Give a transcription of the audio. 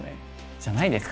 じゃないですか？